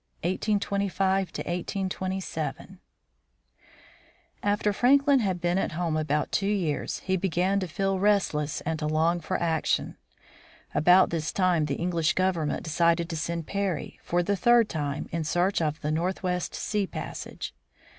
IV. FRANKLIN'S SECOND LAND JOURNEY 1825 1827 After Franklin had been at home about two years, he began to feel restless and to long for action. About this time the English government decided to send Parry, for the third time, in search of the northwest sea passage.